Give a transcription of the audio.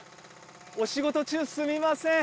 お仕事中すみません。